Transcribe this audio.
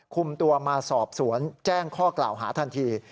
คุมตัวมาสอบสวนแจ้งข้อกล่าวหาทันที